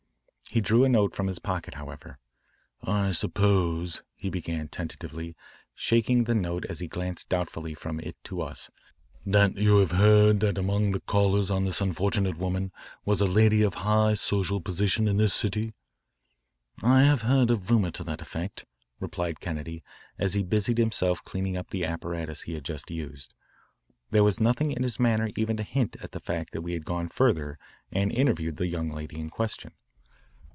He drew a note from his pocket, however. "I suppose," he began tentatively, shaking the note as he glanced doubtfully from it to us, "that you have heard that among the callers on this unfortunate woman was a lady of high social position in this city?" "I have heard a rumour to that effect," replied Kennedy as he busied himself cleaning up the apparatus he had just used. There was nothing in his manner even to hint at the fact that we had gone further and interviewed the young lady in question.